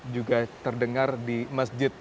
juga terdengar di masjid